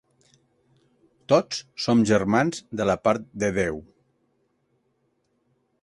Tots som germans de la part de Déu.